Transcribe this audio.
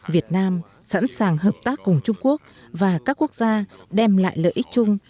việt nam sẵn sàng hợp tác cùng trung quốc và các quốc gia đem lại lợi ích chung